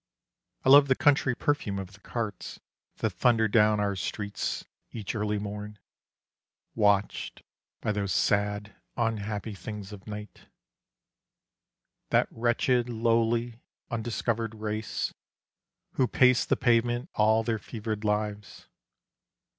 I love the country perfume of the carts That thunder down our streets each early morn, Watched by those sad unhappy things of Night, That wretched, lowly, undiscovered race Who pace the pavement all their fevered lives.